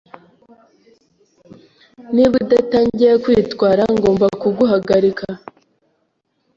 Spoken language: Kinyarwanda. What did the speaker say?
Niba udatangiye kwitwara ngomba kuguhagarika.